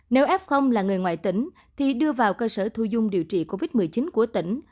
nếu f là người ngoại tỉnh thì đưa vào cơ sở thu dung điều trị covid một mươi chín của tỉnh